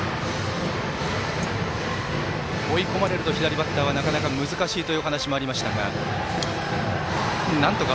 追い込まれると左バッターは、なかなか難しいというお話がありました。